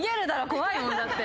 怖いもんだって。